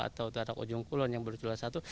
atau badak ujung kulon yang baru jual satu